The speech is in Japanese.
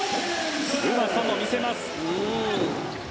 うまさも見せます。